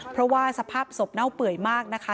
เพราะว่าสภาพศพเน่าเปื่อยมากนะคะ